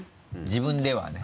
自分ではね。